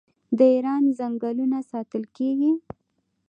د ایران ځنګلونه ساتل کیږي.